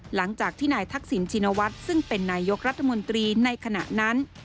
หลังจากที่นายทักษิณชินวัฒน์ซึ่งเป็นนายกรัฐมนตรีในขณะนั้น